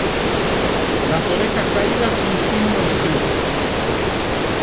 Las orejas caídas son signo de cruce.